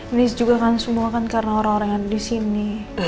ini juga kan semua kan karena orang orang yang di sini